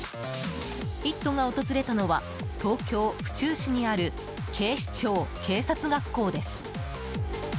「イット！」が訪れたのは東京・府中市にある警視庁警察学校です。